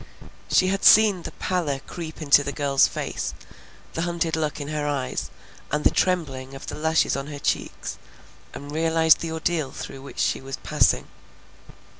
She had seen the pallor creep into the girl's face, the hunted look in her eyes, and the trembling of the lashes on her cheeks, and realized the ordeal through which she was passing.